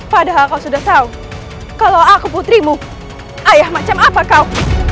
padahal kau sudah tahu kalau aku putrimu ayah macam apa kau